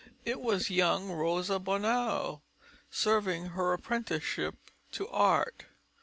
It was young Rosa Bonheur serving her apprenticeship to art.